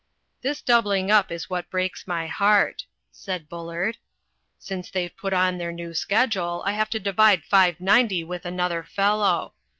"This doubling up is what breaks my heart," said Bullard. "Since they've put on their new schedule I have to divide 590 with another fellow.